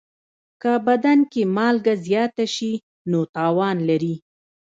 که بدن کې مالګه زیاته شي، نو تاوان لري.